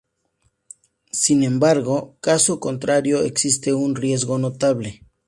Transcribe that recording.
Sin embargo, caso contrario existe un riesgo notable.